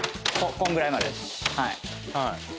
こんぐらいまで。